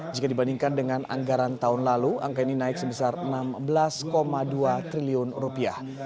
jika dibandingkan dengan anggaran tahun lalu angka ini naik sebesar enam belas dua triliun rupiah